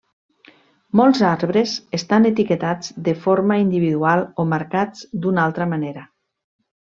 Molts arbres estan etiquetats de forma individual o marcats d'una altra manera.